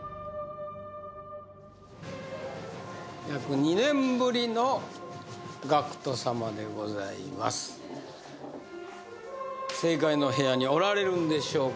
約２年ぶりのＧＡＣＫＴ様でございます正解の部屋におられるんでしょうか？